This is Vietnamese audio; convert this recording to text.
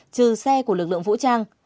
trừ xe của lực lượng vũ trang